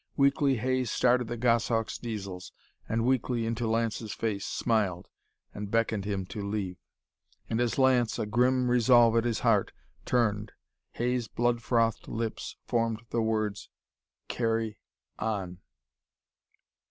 Weakly Hay started the Goshawk's Diesels, and weakly, into Lance's face, smiled, and beckoned him to leave. And, as Lance, a grim resolve at his heart, turned, Hay's blood frothed lips formed the words: "Carry on!"